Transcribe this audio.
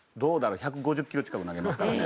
１５０キロ近く投げますからね